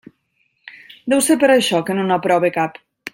Deu ser per això que no n'aprove cap.